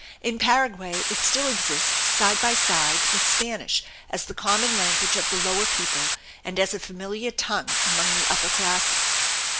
In Paraguay it still exists side by side with Spanish as the common language of the lower people and as a familiar tongue among the upper classes.